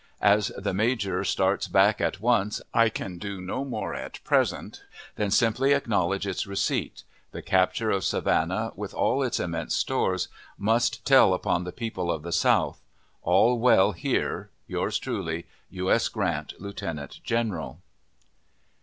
As the major starts back at once, I can do no more at present than simply acknowledge its receipt. The capture of Savannah, with all its immense stores, must tell upon the people of the South. All well here. Yours truly, U. S. GRANT, Lieutenant General.